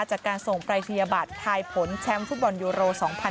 จากการส่งปรายศนียบัตรทายผลแชมป์ฟุตบอลยูโร๒๐๑๖